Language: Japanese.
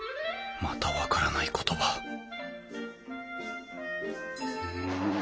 また分からない言葉うん。